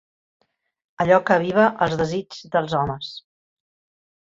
Allò que aviva els desigs dels homes.